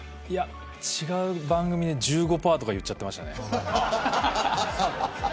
違う番組で１５％とか言っちゃいました。